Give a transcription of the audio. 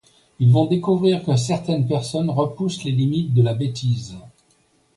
Ils vont découvrir que certaines personnes repoussent les limites de la bêtise...